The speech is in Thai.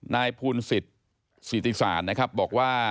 นายพูลสิทธิสารนะครับบอกว่า